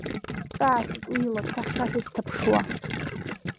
Ҿаасҭит уи илакҭа хьшәашәа сҭаԥшуа.